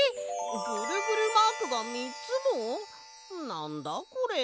なんだこれ！？